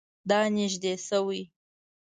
دا نژدې شوی؟